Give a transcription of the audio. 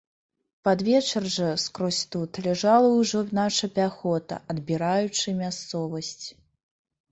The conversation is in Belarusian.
Пад вечар жа, скрозь тут, ляжала ўжо наша пяхота, адбіраючы мясцовасць.